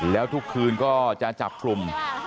แล้วทุกคืนก็จะจับกลุ่ม